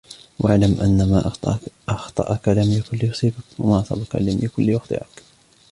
وَاعْلَمْ أَنَّ مَا أَخْطَأكَ لَمْ يَكُنْ لِيُصِيبَكَ، وَمَا أَصَابَكَ لَمْ يَكُنْ لِيُخْطِئَكَ